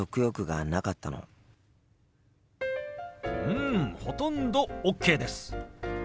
うんほとんどＯＫです。